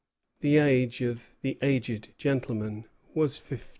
The age of the aged gentleman was fifty two.